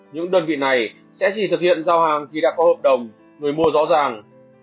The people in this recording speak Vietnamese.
những đơn vị này sẽ chỉ thực hiện giao hàng khi đã có hợp đồng người mua rõ ràng